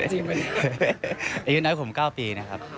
อายุน้อยผม๙ปีนะครับ